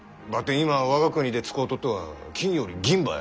今我が国で使うとっとは金より銀ばい。